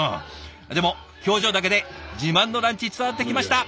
でも表情だけで自慢のランチ伝わってきました。